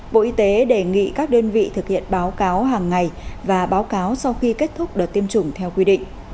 bộ y tế đề nghị các đơn vị thực hiện báo cáo hàng ngày và báo cáo sau khi kết thúc đợt tiêm chủng theo quy định